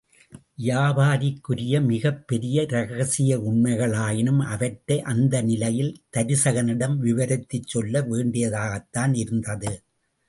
வியப்புக்குரிய மிகப் பெரிய இரகசிய உண்மைகளாயினும் அவற்றை அந்த நிலையில் தருசகனிடம் விவரித்துச் சொல்ல வேண்டியதாகத்தான் இருந்தது.